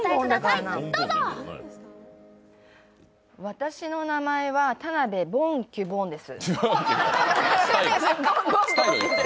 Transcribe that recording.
私の名前は田辺ボンキュッボンです。